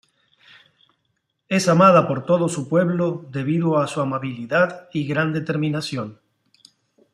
Es amada por todo su pueblo debido a su amabilidad y gran determinación.